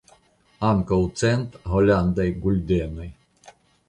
Ankaŭ cent holandaj guldenoj.